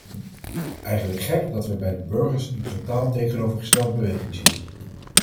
Eigenlijk gek dat we bij de burgers een totaal tegenovergestelde beweging zien.